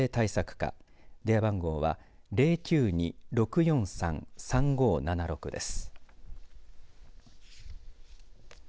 課電話番号は０９２‐６４３‐３５７６です。